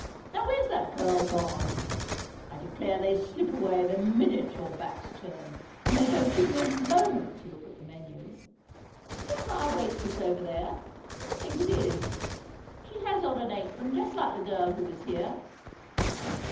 Now where's that girl gone? I declare they slip away the minute your back's turned, and they don't give you a moment to look at the menu. Is that our waitress over there? I think it is; she has on an apron just like the girl who was here.